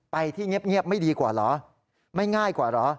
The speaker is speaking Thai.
ไปที่เงียบไม่ดีกว่าเหรอไม่ง่ายกว่าเหรอ